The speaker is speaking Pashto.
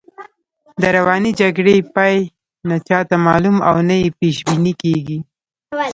د روانې جګړې پای نه چاته معلوم او نه یې پیش بیني کېږي.